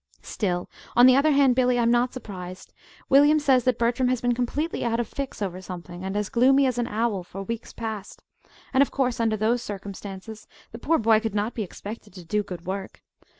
"Still, on the other hand, Billy, I'm not surprised. William says that Bertram has been completely out of fix over something, and as gloomy as an owl, for weeks past; and of course, under those circumstances, the poor boy could not be expected to do good work.